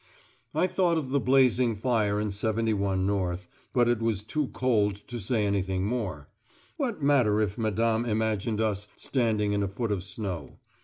I thought of the blazing fire in 71 North, but it was too cold to say anything more. What matter if Madame imagined us standing in a foot of snow?